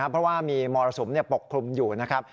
เพราะว่ามีมรสุมปกคลุมอยู่นะครับ